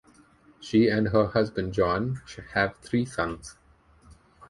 She and her husband, John, have three sons.